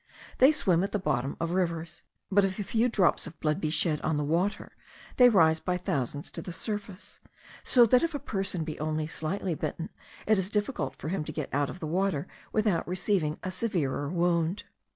They swim at the bottom of rivers; but if a few drops of blood be shed on the water, they rise by thousands to the surface, so that if a person be only slightly bitten, it is difficult for him to get out of the water without receiving a severer wound.